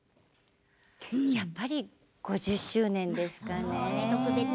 やっぱり５０周年ですかね。